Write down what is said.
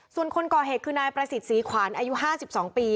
ส่วนคนก่อเหตุคือนายประสิทธิ์ศรีขวัญอายุ๕๒ปี